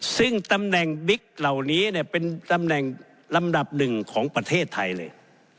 ซึ่งตำแหน่งบิ๊กเหล่านี้เนี่ยเป็นตำแหน่งลำดับหนึ่งของประเทศไทยเลย